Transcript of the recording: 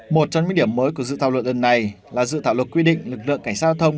một trong những điểm mới của dự thảo luận lần này là dự thảo luật quy định lực lượng cảnh sát giao thông